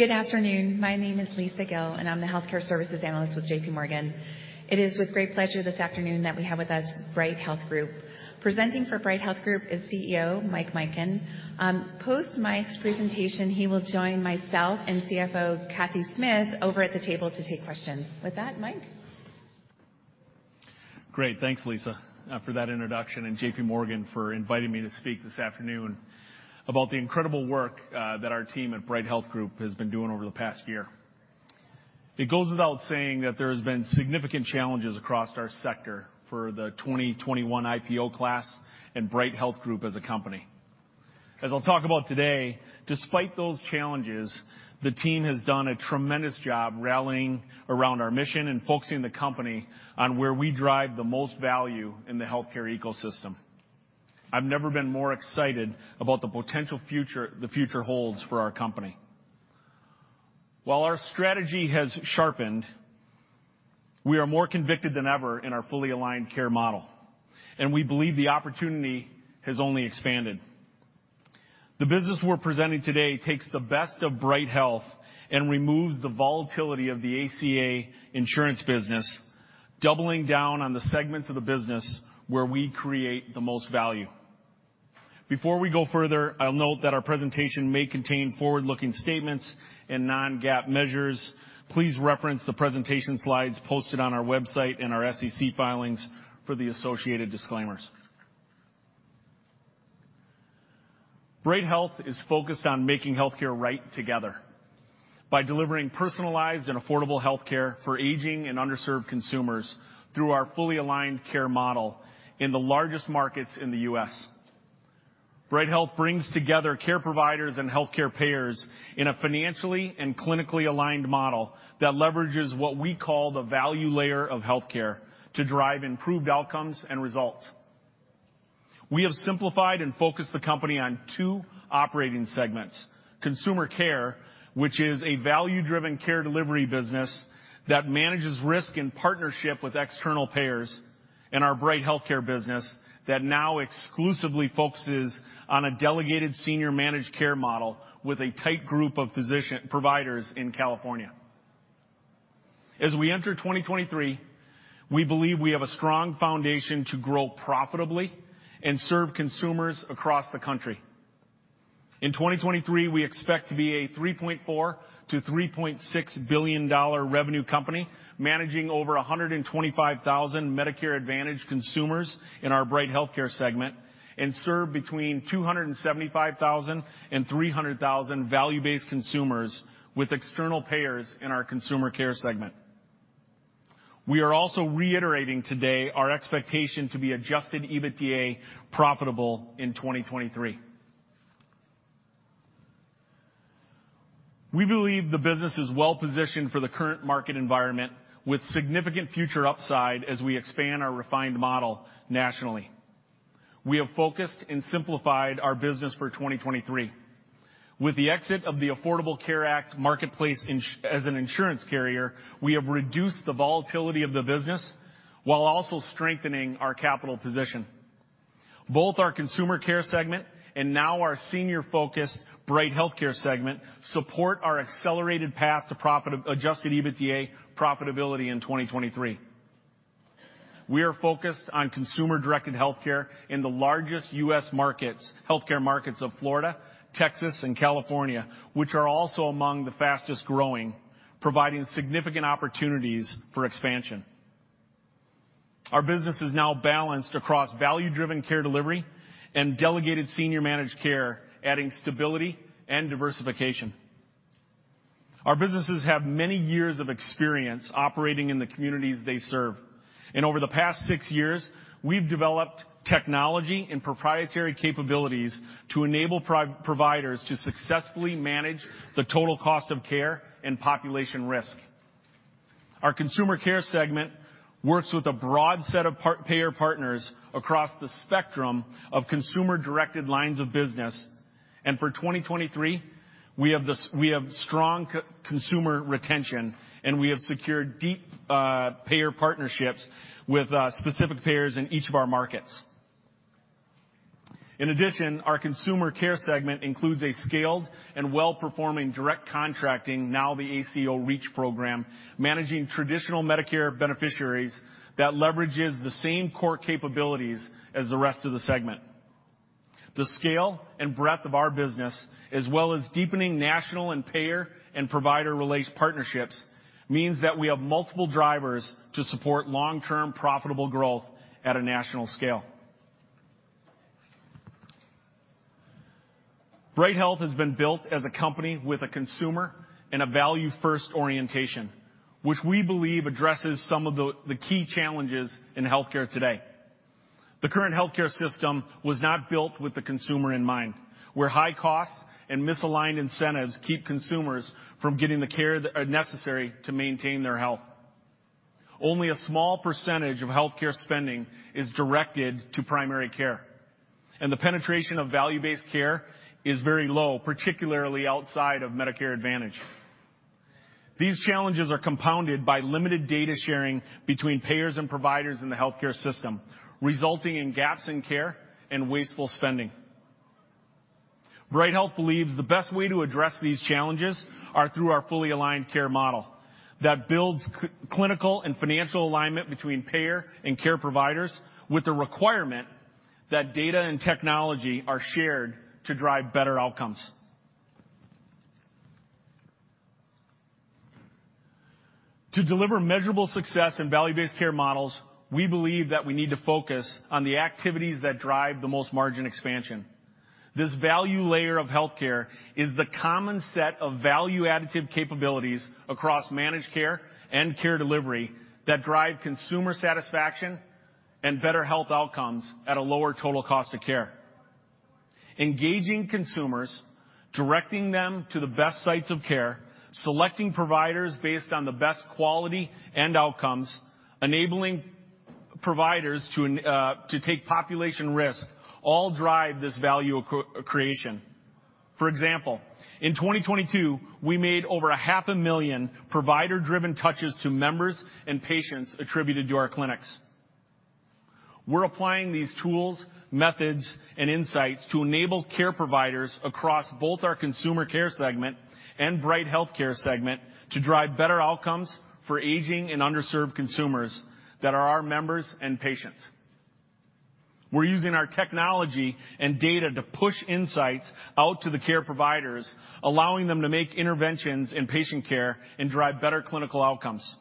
Good afternoon. My name is Lisa Gill, and I'm the Healthcare Services analyst with JPMorgan. It is with great pleasure this afternoon that we have with us Bright Health Group. Presenting for Bright Health Group is CEO Mike Mikan. Post Mike's presentation, he will join myself and CFO Cathy Smith over at the table to take questions. With that, Mike. Great. Thanks, Lisa, for that introduction and JPMorgan for inviting me to speak this afternoon about the incredible work that our team at Bright Health Group has been doing over the past year. It goes without saying that there has been significant challenges across our sector for the 2021 IPO class and Bright Health Group as a company. I'll talk about today, despite those challenges, the team has done a tremendous job rallying around our mission and focusing the company on where we drive the most value in the healthcare ecosystem. I've never been more excited about the future holds for our company. Our strategy has sharpened, we are more convicted than ever in our fully aligned care model, and we believe the opportunity has only expanded. The business we're presenting today takes the best of Bright Health and removes the volatility of the ACA insurance business, doubling down on the segments of the business where we create the most value. Before we go further, I'll note that our presentation may contain forward-looking statements and non-GAAP measures. Please reference the presentation slides posted on our website and our SEC filings for the associated disclaimers. Bright Health is focused on making healthcare right together by delivering personalized and affordable healthcare for aging and underserved consumers through our fully aligned care model in the largest markets in the U.S. Bright Health brings together care providers and healthcare payers in a financially and clinically aligned model that leverages what we call the value layer of healthcare to drive improved outcomes and results. We have simplified and focused the company on two operating segments: Consumer Care, which is a value-driven care delivery business that manages risk in partnership with external payers, and our Bright HealthCare business that now exclusively focuses on a delegated senior managed care model with a tight group of providers in California. As we enter 2023, we believe we have a strong foundation to grow profitably and serve consumers across the country. In 2023, we expect to be a $3.4 billion-$3.6 billion revenue company, managing over 125,000 Medicare Advantage consumers in our Bright HealthCare segment and serve between 275,000 and 300,000 value-based consumers with external payers in our Consumer Care segment. We are also reiterating today our expectation to be adjusted EBITDA profitable in 2023. We believe the business is well positioned for the current market environment with significant future upside as we expand our refined model nationally. We have focused and simplified our business for 2023. With the exit of the Affordable Care Act marketplace as an insurance carrier, we have reduced the volatility of the business while also strengthening our capital position. Both our Consumer Care segment and now our senior-focused Bright HealthCare segment support our accelerated path to adjusted EBITDA profitability in 2023. We are focused on consumer-directed healthcare in the largest U.S. markets, healthcare markets of Florida, Texas, and California, which are also among the fastest-growing, providing significant opportunities for expansion. Our business is now balanced across value-driven care delivery and delegated senior managed care, adding stability and diversification. Our businesses have many years of experience operating in the communities they serve. Over the past six years, we've developed technology and proprietary capabilities to enable providers to successfully manage the total cost of care and population risk. Our Consumer Care segment works with a broad set of payer partners across the spectrum of consumer-directed lines of business. For 2023, we have strong consumer retention, and we have secured deep payer partnerships with specific payers in each of our markets. In addition, our Consumer Care segment includes a scaled and well-performing Direct Contracting Entity, now the ACO REACH program, managing traditional Medicare beneficiaries that leverages the same core capabilities as the rest of the segment. The scale and breadth of our business, as well as deepening national and payer and provider partnerships, means that we have multiple drivers to support long-term profitable growth at a national scale. Bright Health has been built as a company with a consumer and a value-first orientation, which we believe addresses some of the key challenges in healthcare today. The current healthcare system was not built with the consumer in mind, where high costs and misaligned incentives keep consumers from getting the care necessary to maintain their health. Only a small percentage of healthcare spending is directed to primary care, and the penetration of value-based care is very low, particularly outside of Medicare Advantage. These challenges are compounded by limited data sharing between payers and providers in the healthcare system, resulting in gaps in care and wasteful spending. Bright Health believes the best way to address these challenges are through our fully aligned care model that builds clinical and financial alignment between payer and care providers with the requirement that data and technology are shared to drive better outcomes. To deliver measurable success in value-based care models, we believe that we need to focus on the activities that drive the most margin expansion. This value layer of healthcare is the common set of value-additive capabilities across managed care and care delivery that drive consumer satisfaction and better health outcomes at a lower total cost of care. Engaging consumers, directing them to the best sites of care, selecting providers based on the best quality and outcomes, enabling providers to take population risk all drive this value creation. For example, in 2022, we made over a half a million provider-driven touches to members and patients attributed to our clinics. We're applying these tools, methods, and insights to enable care providers across both our Consumer Care segment and Bright HealthCare segment to drive better outcomes for aging and underserved consumers that are our members and patients. We're using our technology and data to push insights out to the care providers, allowing them to make interventions in patient care and drive better clinical outcomes.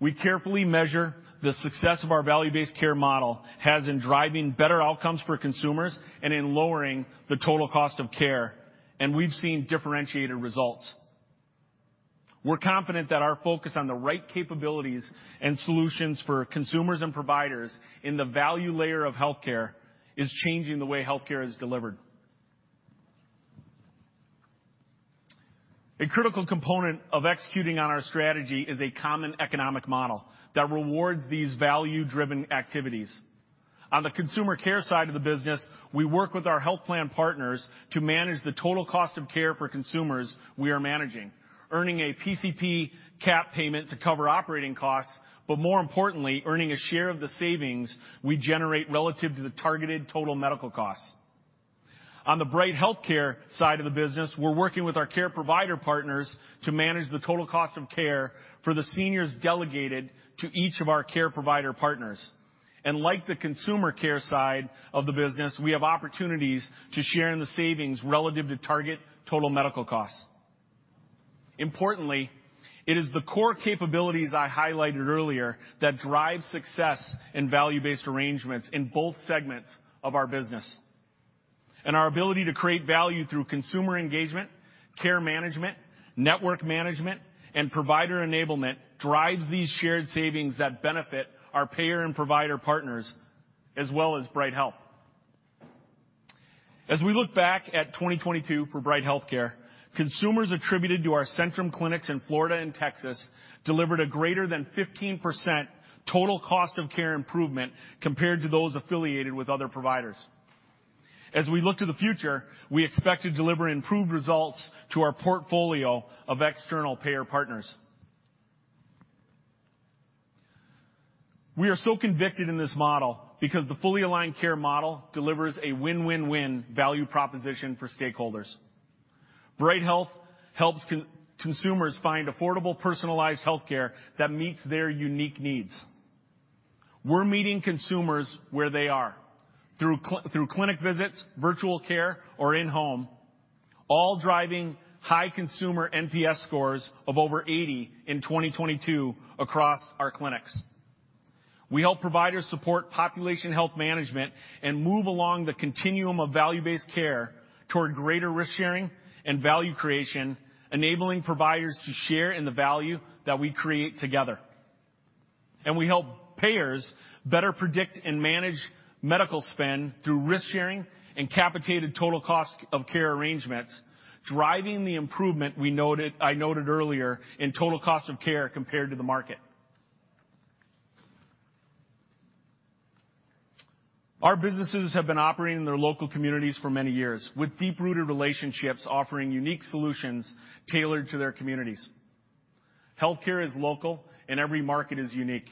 We carefully measure the success of our value-based care model has in driving better outcomes for consumers and in lowering the total cost of care, and we've seen differentiated results. We're confident that our focus on the right capabilities and solutions for consumers and providers in the value layer of healthcare is changing the way healthcare is delivered. A critical component of executing on our strategy is a common economic model that rewards these value-driven activities. On the Consumer Care side of the business, we work with our health plan partners to manage the total cost of care for consumers we are managing, earning a PCP capitation payment to cover operating costs, but more importantly, earning a share of the savings we generate relative to the targeted total medical costs. On the Bright HealthCare side of the business, we're working with our care provider partners to manage the total cost of care for the seniors delegated to each of our care provider partners. Like the Consumer Care side of the business, we have opportunities to share in the savings relative to target total medical costs. Importantly, it is the core capabilities I highlighted earlier that drive success in value-based arrangements in both segments of our business. Our ability to create value through consumer engagement, care management, network management, and provider enablement drives these shared savings that benefit our payer and provider partners as well as Bright Health. We look back at 2022 for Bright HealthCare, consumers attributed to our Centrum clinics in Florida and Texas delivered a greater than 15% total cost of care improvement compared to those affiliated with other providers. We look to the future, we expect to deliver improved results to our portfolio of external payer partners. We are convicted in this model because the fully aligned care model delivers a win-win-win value proposition for stakeholders. Bright Health helps consumers find affordable, personalized healthcare that meets their unique needs. We're meeting consumers where they are, through clinic visits, virtual care, or in home, all driving high consumer NPS scores of over 80 in 2022 across our clinics. We help providers support population health management and move along the continuum of value-based care toward greater risk sharing and value creation, enabling providers to share in the value that we create together. We help payers better predict and manage medical spend through risk-sharing and capitated total cost of care arrangements, driving the improvement I noted earlier in total cost of care compared to the market. Our businesses have been operating in their local communities for many years, with deep-rooted relationships offering unique solutions tailored to their communities. Healthcare is local, and every market is unique.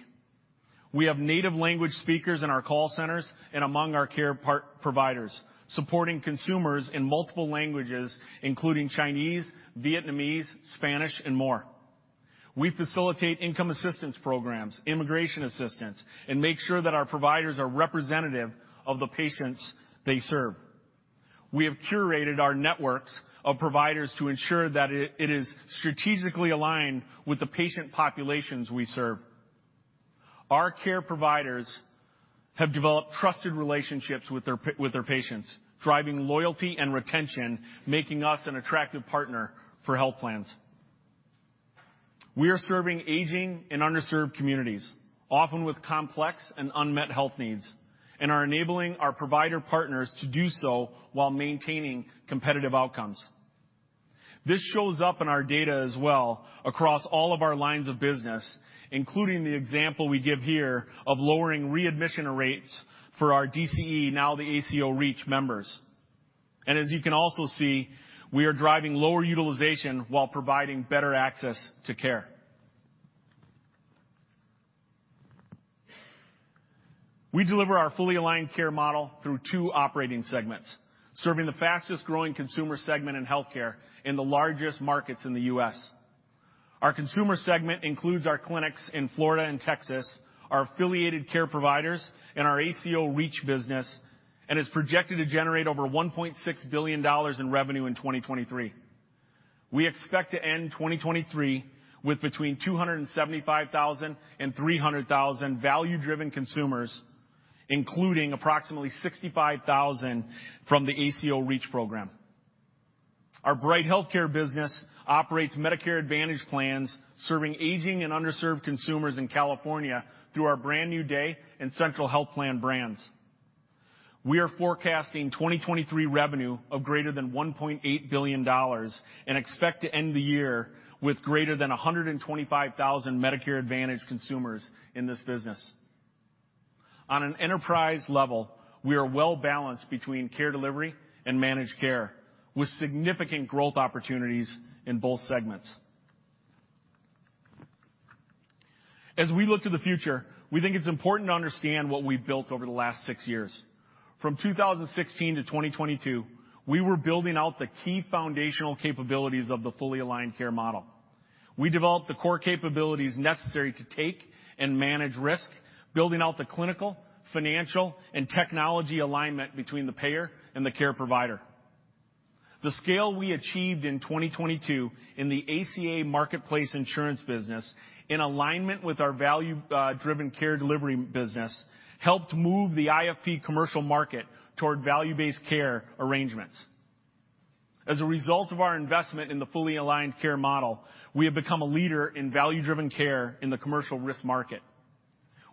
We have native language speakers in our call centers and among our care providers, supporting consumers in multiple languages, including Chinese, Vietnamese, Spanish, and more. We facilitate income assistance programs, immigration assistance, and make sure that our providers are representative of the patients they serve. We have curated our networks of providers to ensure that it is strategically aligned with the patient populations we serve. Our care providers have developed trusted relationships with their patients, driving loyalty and retention, making us an attractive partner for health plans. We are serving aging and underserved communities, often with complex and unmet health needs, and are enabling our provider partners to do so while maintaining competitive outcomes. This shows up in our data as well across all of our lines of business, including the example we give here of lowering readmission rates for our DCE, now the ACO REACH members. As you can also see, we are driving lower utilization while providing better access to care. We deliver our fully aligned care model through two operating segments, serving the fastest-growing consumer segment in healthcare in the largest markets in the U.S. Our Consumer Care segment includes our clinics in Florida and Texas, our affiliated care providers, and our ACO REACH business, and is projected to generate over $1.6 billion in revenue in 2023. We expect to end 2023 with between 275,000 and 300,000 value-driven consumers, including approximately 65,000 from the ACO REACH program. Our Bright HealthCare business operates Medicare Advantage plans, serving aging and underserved consumers in California through our Brand New Day and Central Health Plan brands. We are forecasting 2023 revenue of greater than $1.8 billion and expect to end the year with greater than 125,000 Medicare Advantage consumers in this business. On an enterprise level, we are well-balanced between care delivery and managed care, with significant growth opportunities in both segments. As we look to the future, we think it's important to understand what we've built over the last six years. From 2016 to 2022, we were building out the key foundational capabilities of the fully aligned care model. We developed the core capabilities necessary to take and manage risk, building out the clinical, financial, and technology alignment between the payer and the care provider. The scale we achieved in 2022 in the ACA marketplace insurance business, in alignment with our value-driven care delivery business, helped move the IFP commercial market toward value-based care arrangements. As a result of our investment in the fully aligned care model, we have become a leader in value-driven care in the commercial risk market.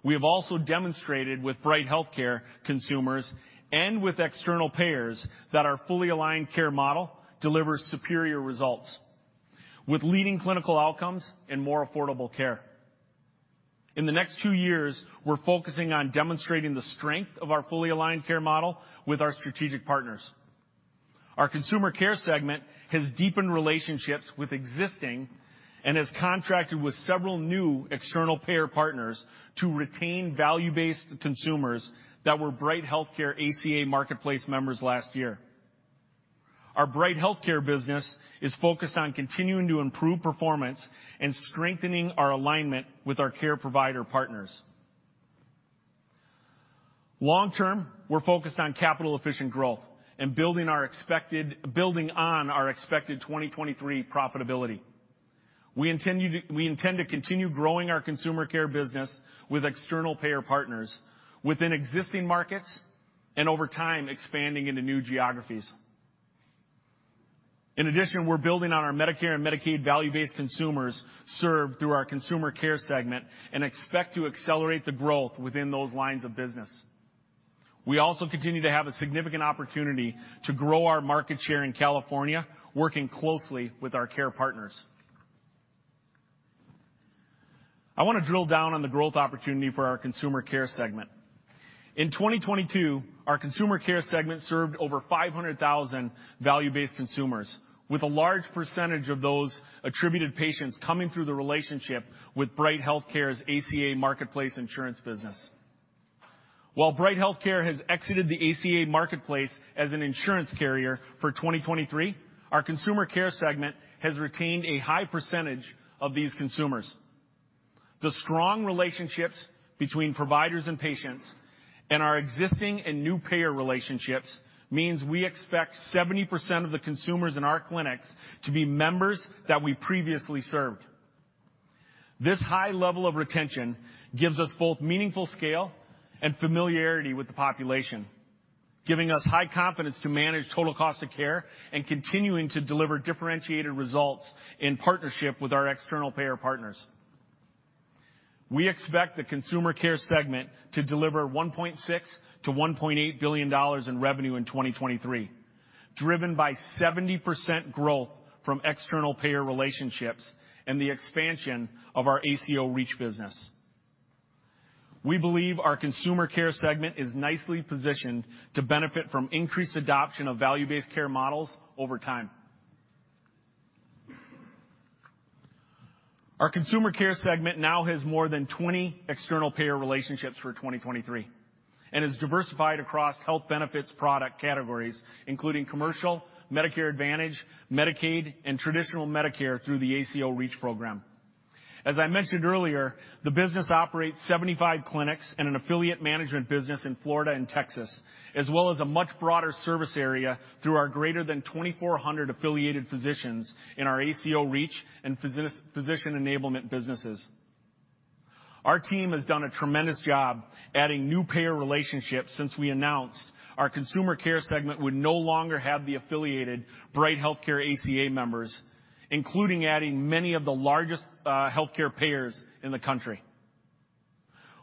We have also demonstrated with Bright HealthCare consumers and with external payers that our fully aligned care model delivers superior results with leading clinical outcomes and more affordable care. In the next two years, we're focusing on demonstrating the strength of our fully aligned care model with our strategic partners. Our Consumer Care segment has deepened relationships with existing and has contracted with several new external payer partners to retain value-based consumers that were Bright HealthCare ACA marketplace members last year. Our Bright HealthCare business is focused on continuing to improve performance and strengthening our alignment with our care provider partners. Long term, we're focused on capital-efficient growth and building on our expected 2023 profitability. We intend to continue growing our Consumer Care business with external payer partners within existing markets and over time, expanding into new geographies. We're building on our Medicare and Medicaid value-based consumers served through our Consumer Care segment and expect to accelerate the growth within those lines of business. We also continue to have a significant opportunity to grow our market share in California, working closely with our care partners. I wanna drill down on the growth opportunity for our Consumer Care segment. In 2022, our Consumer Care segment served over 500,000 value-based consumers, with a large percentage of those attributed patients coming through the relationship with Bright HealthCare's ACA marketplace insurance business. While Bright HealthCare has exited the ACA marketplace as an insurance carrier for 2023, our Consumer Care segment has retained a high percentage of these consumers. The strong relationships between providers and patients and our existing and new payer relationships means we expect 70% of the consumers in our clinics to be members that we previously served. This high level of retention gives us both meaningful scale and familiarity with the population, giving us high confidence to manage total cost of care and continuing to deliver differentiated results in partnership with our external payer partners. We expect the Consumer Care segment to deliver $1.6 billion-$1.8 billion in revenue in 2023, driven by 70% growth from external payer relationships and the expansion of our ACO REACH business. We believe our Consumer Care segment is nicely positioned to benefit from increased adoption of value-based care models over time. Our Consumer Care segment now has more than 20 external payer relationships for 2023 and is diversified across health benefits product categories, including commercial, Medicare Advantage, Medicaid, and traditional Medicare through the ACO REACH program. I mentioned earlier, the business operates 75 clinics and an affiliate management business in Florida and Texas, as well as a much broader service area through our greater than 2,400 affiliated physicians in our ACO REACH and physician enablement businesses. Our team has done a tremendous job adding new payer relationships since we announced our Consumer Care segment would no longer have the affiliated Bright HealthCare ACA members, including adding many of the largest healthcare payers in the country.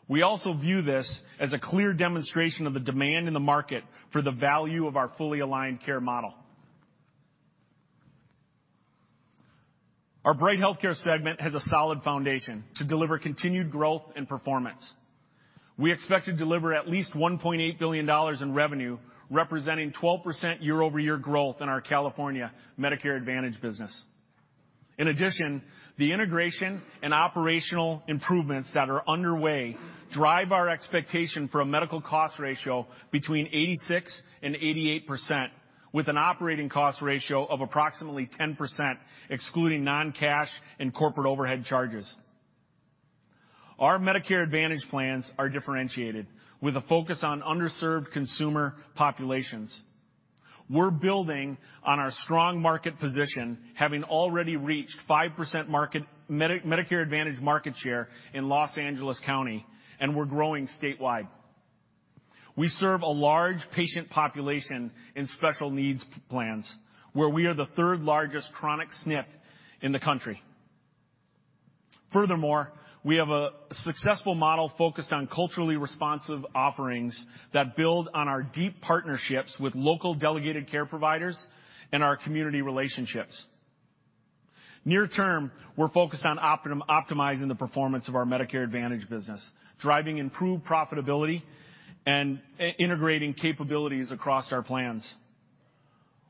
We also view this as a clear demonstration of the demand in the market for the value of our fully aligned care model. Our Bright HealthCare segment has a solid foundation to deliver continued growth and performance. We expect to deliver at least $1.8 billion in revenue, representing 12% year-over-year growth in our California Medicare Advantage business. In addition, the integration and operational improvements that are underway drive our expectation for a medical cost ratio between 86%-88%, with an operating cost ratio of approximately 10%, excluding non-cash and corporate overhead charges. Our Medicare Advantage plans are differentiated with a focus on underserved consumer populations. We're building on our strong market position, having already reached 5% Medicare Advantage market share in Los Angeles County, and we're growing statewide. We serve a large patient population in Special Needs Plans, where we are the third-largest chronic SNP in the country. Furthermore, we have a successful model focused on culturally responsive offerings that build on our deep partnerships with local delegated care providers and our community relationships. Near term, we're focused on optimizing the performance of our Medicare Advantage business, driving improved profitability and integrating capabilities across our plans.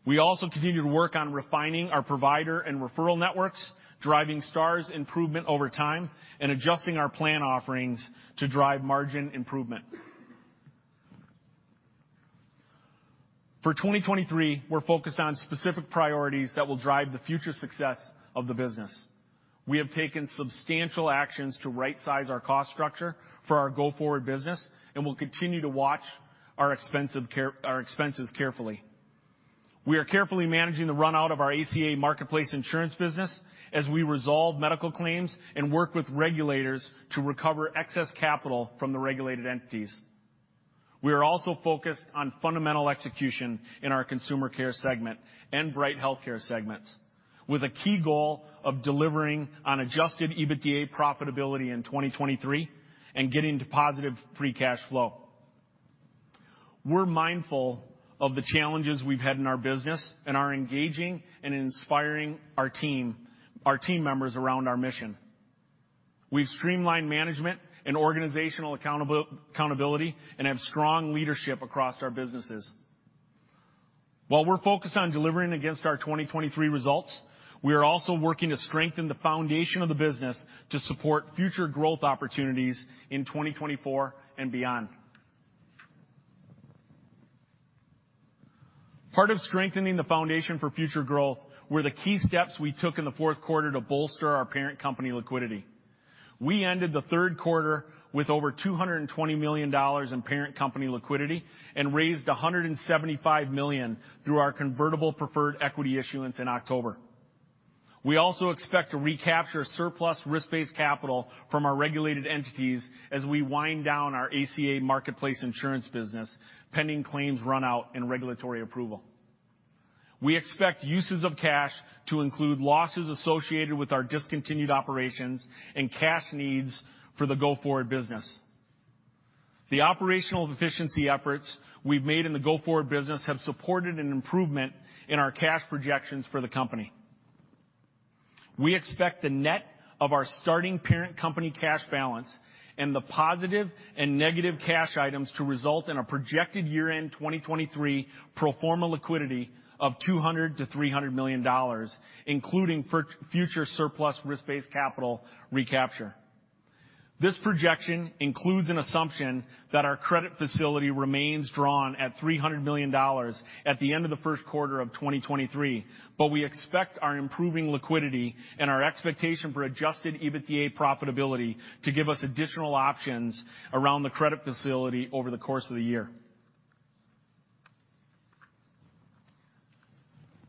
We also continue to work on refining our provider and referral networks, driving Star Ratings improvement over time, and adjusting our plan offerings to drive margin improvement. For 2023, we're focused on specific priorities that will drive the future success of the business. We have taken substantial actions to rightsize our cost structure for our go-forward business and will continue to watch our expenses carefully. We are carefully managing the run-out of our ACA marketplace insurance business as we resolve medical claims and work with regulators to recover excess capital from the regulated entities. We are also focused on fundamental execution in our Consumer Care segment and Bright HealthCare segment, with a key goal of delivering on adjusted EBITDA profitability in 2023 and getting to positive free cash flow. We're mindful of the challenges we've had in our business and are engaging and inspiring our team members around our mission. We've streamlined management and organizational accountability and have strong leadership across our businesses. While we're focused on delivering against our 2023 results, we are also working to strengthen the foundation of the business to support future growth opportunities in 2024 and beyond. Part of strengthening the foundation for future growth were the key steps we took in the fourth quarter to bolster our parent company liquidity. We ended the third quarter with over $220 million in parent company liquidity and raised $175 million through our convertible preferred equity issuance in October. We also expect to recapture surplus risk-based capital from our regulated entities as we wind down our ACA marketplace insurance business, pending claims run-out and regulatory approval. We expect uses of cash to include losses associated with our discontinued operations and cash needs for the go-forward business. The operational efficiency efforts we've made in the go-forward business have supported an improvement in our cash projections for the company. We expect the net of our starting parent company cash balance and the positive and negative cash items to result in a projected year-end 2023 pro forma liquidity of $200 million-$300 million, including future surplus risk-based capital recapture. This projection includes an assumption that our credit facility remains drawn at $300 million at the end of the first quarter of 2023. We expect our improving liquidity and our expectation for adjusted EBITDA profitability to give us additional options around the credit facility over the course of the year.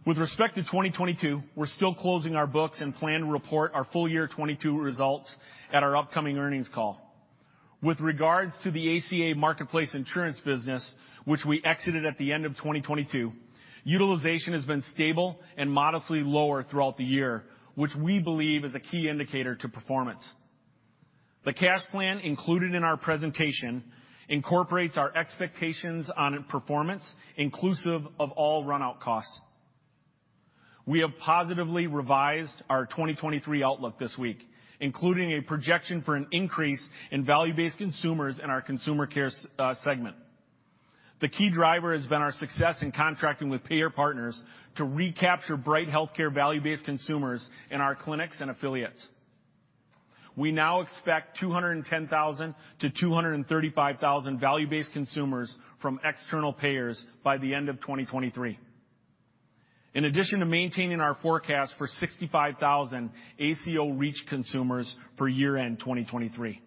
With respect to 2022, we're still closing our books and plan to report our full year 2022 results at our upcoming earnings call. With regards to the ACA marketplace insurance business, which we exited at the end of 2022, utilization has been stable and modestly lower throughout the year, which we believe is a key indicator to performance. The cash plan included in our presentation incorporates our expectations on performance, inclusive of all run-out costs. We have positively revised our 2023 outlook this week, including a projection for an increase in value-based consumers in our Consumer Care segment. The key driver has been our success in contracting with payer partners to recapture Bright HealthCare value-based consumers in our clinics and affiliates. We now expect 210,000-235,000 value-based consumers from external payers by the end of 2023. In addition to maintaining our forecast for 65,000 ACO REACH consumers for year end 2023.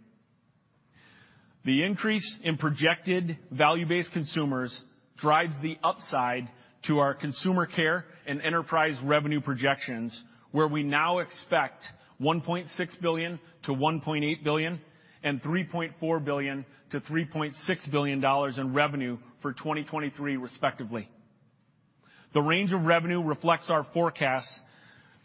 The increase in projected value-based consumers drives the upside to our Consumer Care and enterprise revenue projections, where we now expect $1.6 billion-$1.8 billion and $3.4 billion-$3.6 billion in revenue for 2023, respectively. The range of revenue reflects our forecasts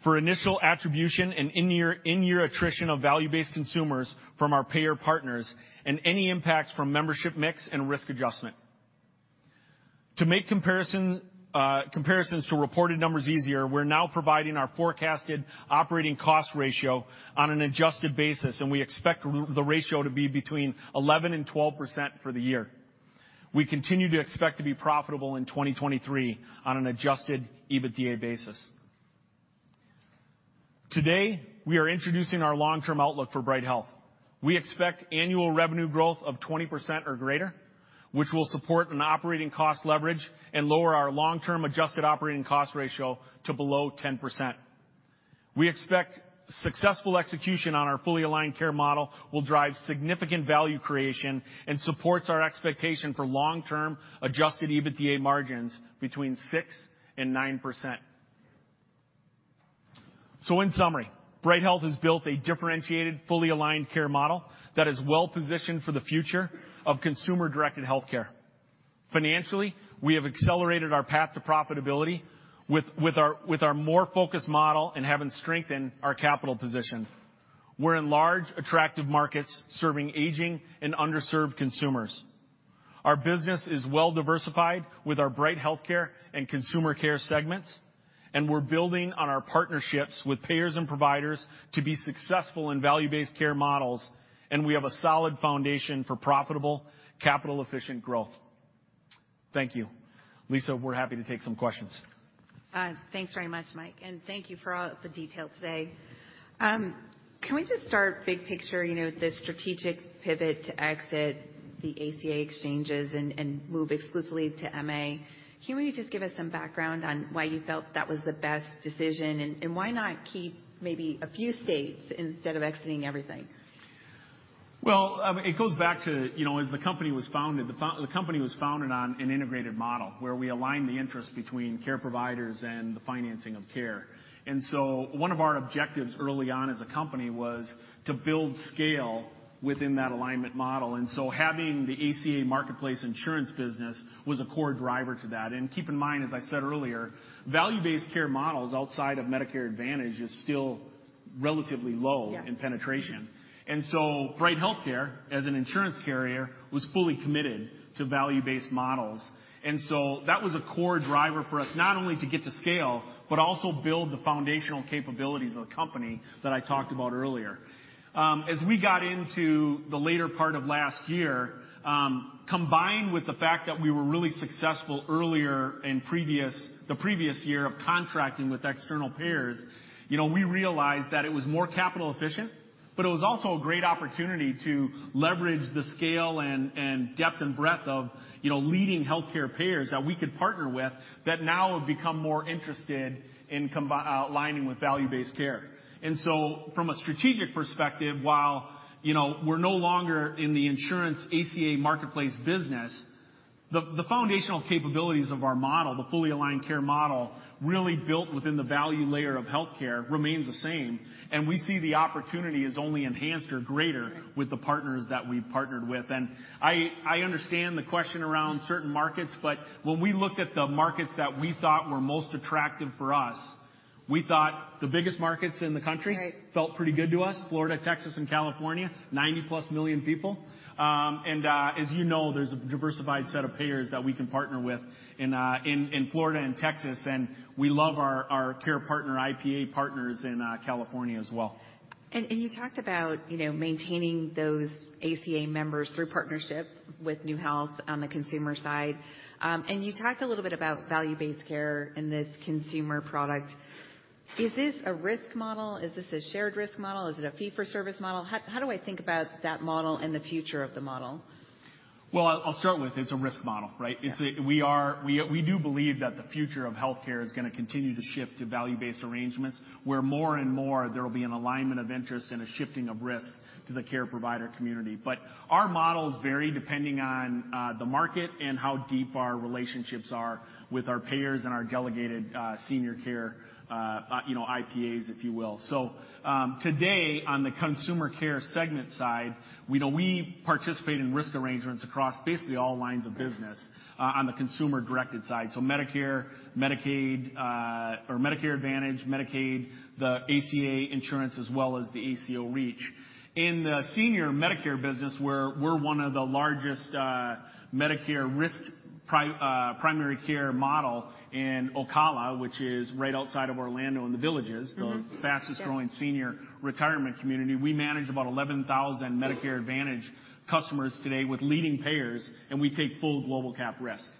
for initial attribution and in-year attrition of value-based consumers from our payer partners and any impacts from membership mix and risk adjustment. To make comparisons to reported numbers easier, we're now providing our forecasted operating cost ratio on an adjusted basis, and we expect the ratio to be between 11% and 12% for the year. We continue to expect to be profitable in 2023 on an adjusted EBITDA basis. Today, we are introducing our long-term outlook for Bright Health. We expect annual revenue growth of 20% or greater, which will support an operating cost leverage and lower our long-term adjusted operating cost ratio to below 10%. We expect successful execution on our fully aligned care model will drive significant value creation and supports our expectation for long-term adjusted EBITDA margins between 6% and 9%. In summary, Bright Health has built a differentiated, fully aligned care model that is well-positioned for the future of consumer-directed healthcare. Financially, we have accelerated our path to profitability with our more focused model and having strengthened our capital position. We're in large, attractive markets serving aging and underserved consumers. Our business is well diversified with our Bright HealthCare and Consumer Care segments. We're building on our partnerships with payers and providers to be successful in value-based care models. We have a solid foundation for profitable, capital-efficient growth. Thank you. Lisa, we're happy to take some questions. Thanks very much, Mike. Thank you for all the detail today. Can we just start big picture, you know, the strategic pivot to exit the ACA exchanges and move exclusively to MA? Can you just give us some background on why you felt that was the best decision, and why not keep maybe a few states instead of exiting everything? Well, it goes back to, you know, as the company was founded, the company was founded on an integrated model, where we align the interest between care providers and the financing of care. One of our objectives early on as a company was to build scale within that alignment model. Having the ACA marketplace insurance business was a core driver to that. Keep in mind, as I said earlier, value-based care models outside of Medicare Advantage is still relatively low in penetration. Bright HealthCare, as an insurance carrier, was fully committed to value-based models. That was a core driver for us, not only to get to scale, but also build the foundational capabilities of the company that I talked about earlier. As we got into the later part of last year, combined with the fact that we were really successful earlier in the previous year of contracting with external payers, you know, we realized that it was more capital efficient, but it was also a great opportunity to leverage the scale and depth and breadth of, you know, leading healthcare payers that we could partner with that now have become more interested in aligning with value-based care. From a strategic perspective, while, you know, we're no longer in the insurance ACA marketplace business, the foundational capabilities of our model, the fully aligned care model, really built within the value layer of healthcare remains the same. We see the opportunity as only enhanced or greater with the partners that we've partnered with. I understand the question around certain markets, but when we looked at the markets that we thought were most attractive for us, we thought the biggest markets in the country felt pretty good to us, Florida, Texas, and California, 90+ million people. As you know, there's a diversified set of payers that we can partner with in Florida and Texas, and we love our care partner, IPA partners in California as well. You talked about, you know, maintaining those ACA members through partnership with NeueHealth on the consumer side. You talked a little bit about value-based care in this consumer product. Is this a risk model? Is this a shared risk model? Is it a fee-for-service model? How do I think about that model and the future of the model? Well, I'll start with it's a risk model, right? We do believe that the future of healthcare is gonna continue to shift to value-based arrangements, where more and more there will be an alignment of interest and a shifting of risk to the care provider community. Our models vary depending on the market and how deep our relationships are with our payers and our delegated senior care, you know, IPAs, if you will. Today, on the Consumer Care segment side, you know, we participate in risk arrangements across basically all lines of business on the consumer-directed side. Medicare, Medicaid, or Medicare Advantage, Medicaid, the ACA insurance, as well as the ACO REACH. In the senior Medicare business, we're one of the largest Medicare risk primary care model in Ocala, which is right outside of Orlando in The Villages. The fastest growing senior retirement community. We manage about 11,000 Medicare Advantage customers today with leading payers, and we take full global capitation risk.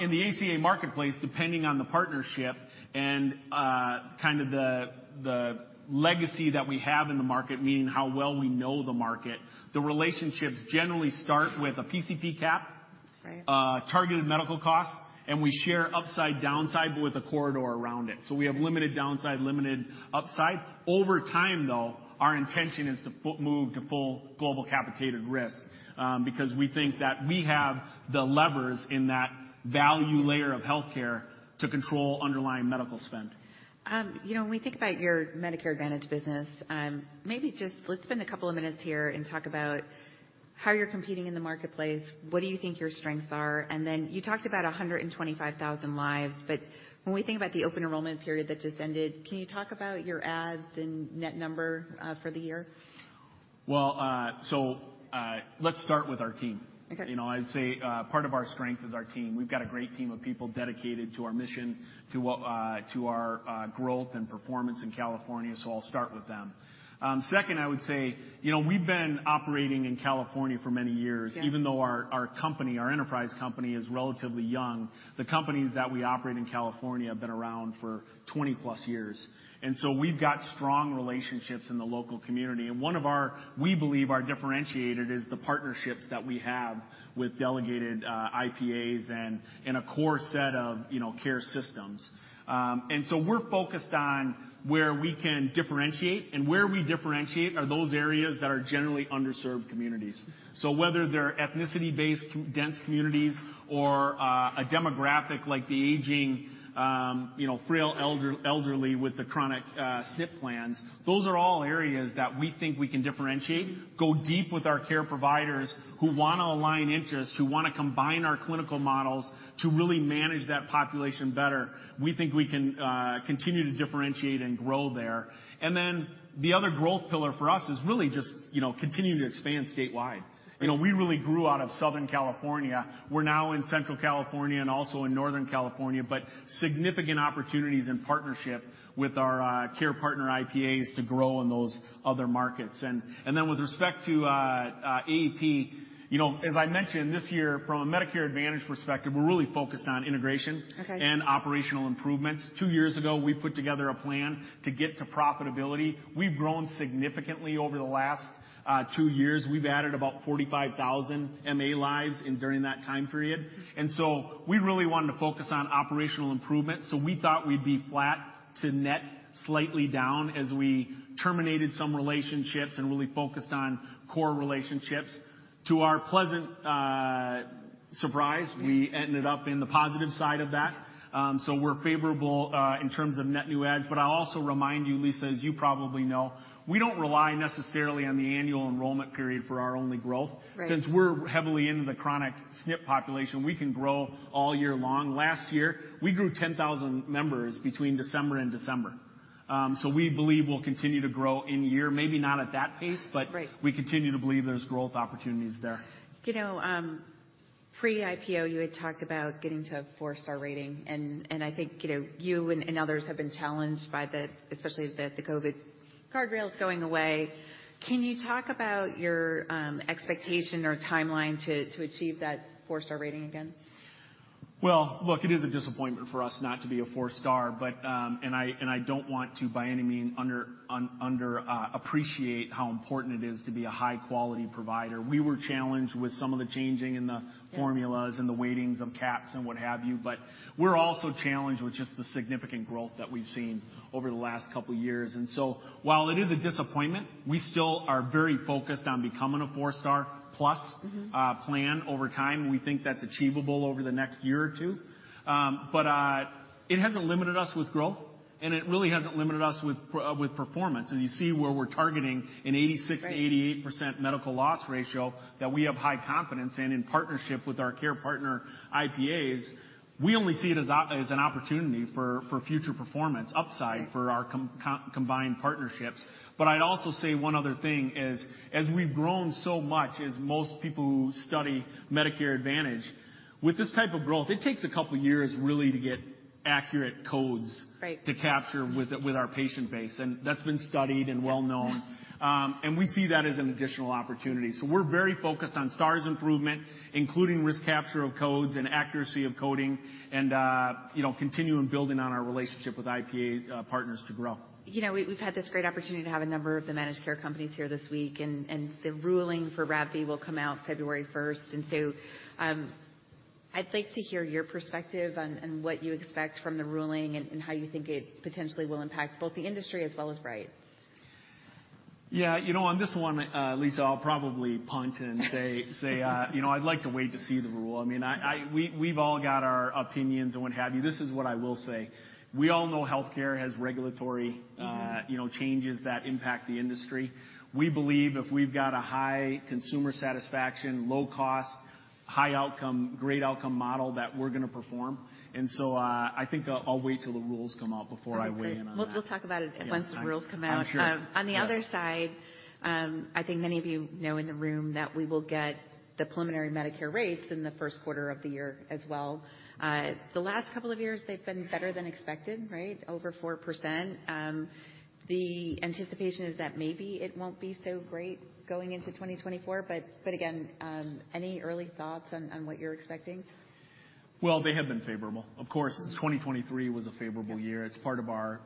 In the ACA marketplace, depending on the partnership and, kind of the legacy that we have in the market, meaning how well we know the market, the relationships generally start with a PCP capitation targeted medical costs. We share upside downside. With a corridor around it, we have limited downside, limited upside. Over time, though, our intention is to move to full global capitated risk. We think that we have the levers in that value layer of healthcare to control underlying medical spend. You know, when we think about your Medicare Advantage business, maybe just let's spend a couple of minutes here and talk about how you're competing in the marketplace. What do you think your strengths are? You talked about 125,000 lives, but when we think about the Annual Enrollment Period that just ended, can you talk about your ads and net number for the year? Well, let's start with our team. You know, I'd say, part of our strength is our team. We've got a great team of people dedicated to our mission, to our growth and performance in California. I'll start with them. Second, I would say, you know, we've been operating in California for many years. Even though our company, our enterprise company is relatively young, the companies that we operate in California have been around for 20+ years. We've got strong relationships in the local community. One of our, we believe, are differentiated is the partnerships that we have with delegated IPAs and in a core set of, you know, care systems. We're focused on where we can differentiate, and where we differentiate are those areas that are generally underserved communities. Whether they're ethnicity-based dense communities or a demographic like the aging, you know, frail elderly with the chronic SNP plans, those are all areas that we think we can differentiate, go deep with our care providers who wanna align interests, who wanna combine our clinical models to really manage that population better. We think we can, continue to differentiate and grow there. The other growth pillar for us is really just, you know, continuing to expand statewide. You know, we really grew out of Southern California. We're now in Central California and also in Northern California, but significant opportunities in partnership with our care partner IPAs to grow in those other markets. With respect to AEP, you know, as I mentioned this year from a Medicare Advantage perspective, we're really focused on integration and operational improvements. Two years ago, we put together a plan to get to profitability. We've grown significantly over the last two years. We've added about 45,000 MA lives during that time period. We really wanted to focus on operational improvement, so we thought we'd be flat to net slightly down as we terminated some relationships and really focused on core relationships. To our pleasant surprise. We ended up in the positive side of that. We're favorable in terms of net new adds. I'll also remind you, Lisa, as you probably know, we don't rely necessarily on the Annual Enrollment Period for our only growth. Since we're heavily into the chronic SNP population, we can grow all year long. Last year, we grew 10,000 members between December 2022 and December 2023. We believe we'll continue to grow in year, maybe not at that pace we continue to believe there's growth opportunities there. You know, pre-IPO, you had talked about getting to a four-star rating and I think, you know, you and others have been challenged by the, especially the COVID guardrails going away. Can you talk about your expectation or timeline to achieve that four-star rating again? Look, it is a disappointment for us not to be a four-star, but, and I don't want to by any means underappreciate how important it is to be a high quality provider. We were challenged with some of the changing in the formulas and the weightings of caps and what have you, but we're also challenged with just the significant growth that we've seen over the last couple years. While it is a disappointment, we still are very focused on becoming a four-star plus plan over time. We think that's achievable over the next year or two. It hasn't limited us with growth, and it really hasn't limited us with performance. As you see where we're targeting an 86%-88% medical loss ratio that we have high confidence in partnership with our care partner IPAs, we only see it as an opportunity for future performance upside for our combined partnerships. I'd also say one other thing is, as we've grown so much as most people who study Medicare Advantage, with this type of growth, it takes a couple years really to get accurate codes to capture with our patient base, and that's been studied and well-known. We see that as an additional opportunity. We're very focused on Stars improvement, including risk capture of codes and accuracy of coding and, you know, continuing building on our relationship with IPA partners to grow. You know, we've had this great opportunity to have a number of the managed care companies here this week, and the ruling for RADV will come out February 1st. I'd like to hear your perspective on what you expect from the ruling and how you think it potentially will impact both the industry as well as Bright Health? Yeah. You know, on this one, Lisa, I'll probably punt and say, you know, I'd like to wait to see the rule. I mean, we've all got our opinions on what have you. This is what I will say. We all know healthcare has regulatory, you know, changes that impact the industry. We believe if we've got a high consumer satisfaction, low cost, high outcome, great outcome model that we're gonna perform. I think I'll wait till the rules come out before I weigh in on that. We'll talk about it once the rules come out. I'm sure. On the other side, I think many of you know in the room that we will get the preliminary Medicare Advantage rates in the first quarter of the year as well. The last couple of years they've been better than expected, right? Over 4%. The anticipation is that maybe it won't be so great going into 2024, but again, any early thoughts on what you're expecting? Well, they have been favorable. Of course, 2023 was a favorable year. It's part of our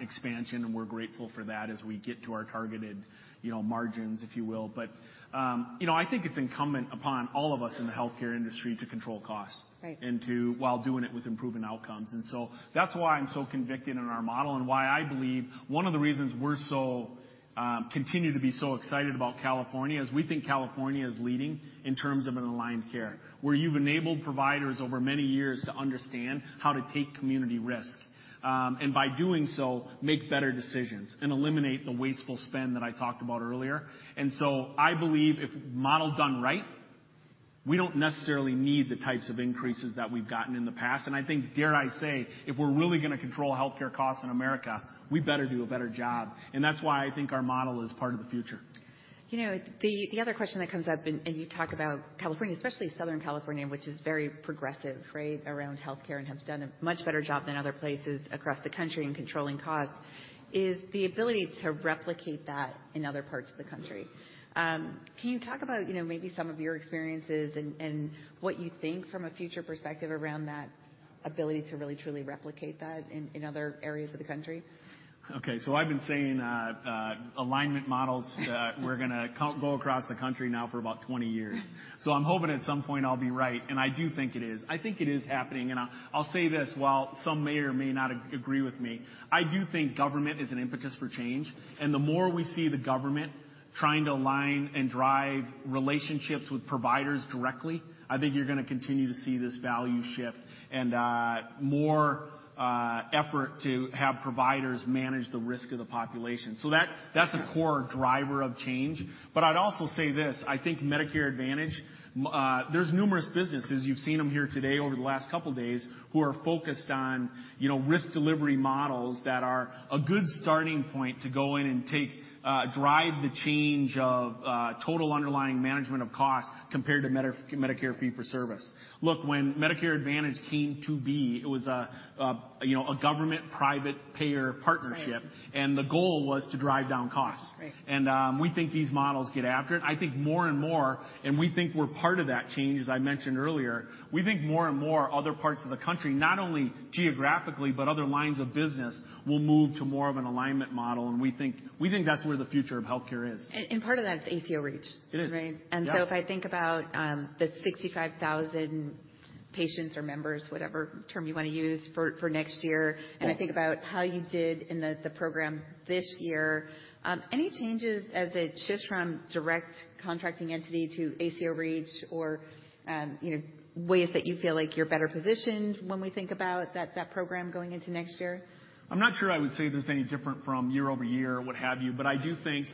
expansion, and we're grateful for that as we get to our targeted, you know, margins, if you will. You know, I think it's incumbent upon all of us in the healthcare industry to control costs and to while doing it with improving outcomes. That's why I'm so convicted in our model and why I believe one of the reasons we continue to be so excited about California is we think California is leading in terms of an aligned care, where you've enabled providers over many years to understand how to take community risk. By doing so, make better decisions and eliminate the wasteful spend that I talked about earlier. I believe if model done right, we don't necessarily need the types of increases that we've gotten in the past. I think, dare I say, if we're really gonna control healthcare costs in America, we better do a better job. That's why I think our model is part of the future. You know, the other question that comes up, and you talk about California, especially Southern California, which is very progressive, right, around healthcare and has done a much better job than other places across the country in controlling costs, is the ability to replicate that in other parts of the country. Can you talk about, you know, maybe some of your experiences and what you think from a future perspective around that ability to really truly replicate that in other areas of the country? I've been saying, alignment models go across the country now for about 20 years. I'm hoping at some point I'll be right, and I do think it is. I think it is happening, and I'll say this while some may or may not agree with me. I do think government is an impetus for change. The more we see the government trying to align and drive relationships with providers directly, I think you're gonna continue to see this value shift and more effort to have providers manage the risk of the population. That, that's a core driver of change. I'd also say this, I think Medicare Advantage, there's numerous businesses, you've seen them here today over the last couple days, who are focused on, you know, risk delivery models that are a good starting point to go in and take, drive the change of, total underlying management of costs compared to Medicare fee-for-service. Look, when Medicare Advantage came to be, it was a, you know, a government-private payer partnership. The goal was to drive down costs. We think these models get after it. I think more and more, and we think we're part of that change, as I mentioned earlier, we think more and more other parts of the country, not only geographically, but other lines of business, will move to more of an alignment model, and we think that's where the future of healthcare is. And part of that is ACO REACH? It is. Right? Yeah. If I think about, the 65,000 patients or members, whatever term you wanna use, for next year. I think about how you did in the program this year, any changes as it shifts from Direct Contracting Entity to ACO REACH or, you know, ways that you feel like you're better positioned when we think about that program going into next year? I'm not sure I would say there's any different from year-over-year or what have you, but I do think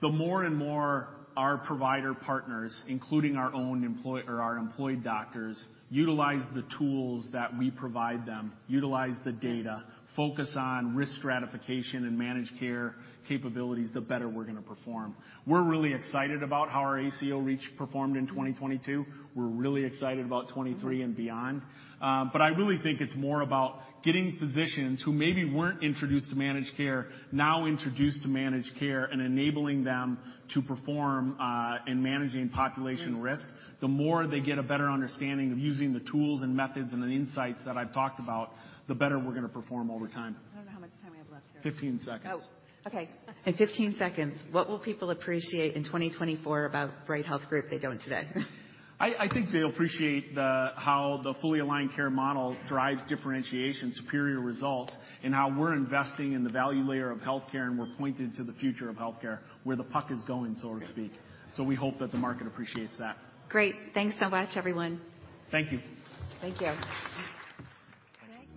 the more and more our provider partners, including our own or our employed doctors, utilize the tools that we provide them, utilize the data, focus on risk stratification and managed care capabilities, the better we're gonna perform. We're really excited about how our ACO REACH performed in 2022. We're really excited about 2023 and beyond. I really think it's more about getting physicians who maybe weren't introduced to managed care now introduced to managed care and enabling them to perform in managing population risk. The more they get a better understanding of using the tools and methods and the insights that I've talked about, the better we're gonna perform over time. I don't know how much time we have left here? 15 seconds. Oh, okay. In 15 seconds, what will people appreciate in 2024 about Bright Health Group they don't today? I think they'll appreciate how the fully aligned care model drives differentiation, superior results, and how we're investing in the value layer of healthcare, and we're pointed to the future of healthcare, where the puck is going, so to speak. We hope that the market appreciates that. Great. Thanks so much, everyone. Thank you. Thank you.